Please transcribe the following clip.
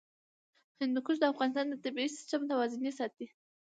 هندوکش د افغانستان د طبعي سیسټم توازن ساتي.